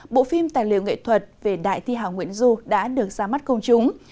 bộ phim tài liệu nghệ thuật về đại thi hào nguyễn du đã được ra mắt công chúng